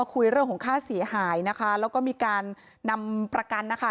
คุยเรื่องของค่าเสียหายนะคะแล้วก็มีการนำประกันนะคะ